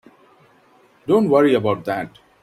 Don't worry about that.